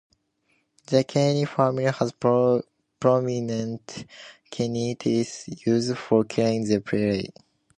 The canine family has prominent canine teeth, used for killing their prey.